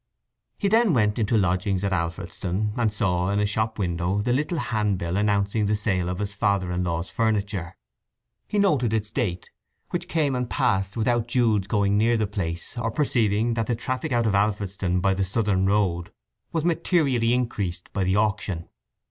He then went into lodgings at Alfredston, and saw in a shopwindow the little handbill announcing the sale of his father in law's furniture. He noted its date, which came and passed without Jude's going near the place, or perceiving that the traffic out of Alfredston by the southern road was materially increased by the auction.